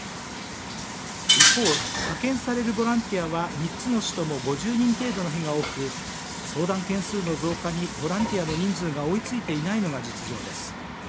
一方、派遣されるボランティアは３つの市とも５０人程度の日が多く相談件数の増加にボランティアの人数が追いついていないのが実情です。